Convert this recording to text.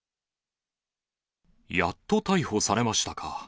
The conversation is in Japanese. やっと逮捕されましたか。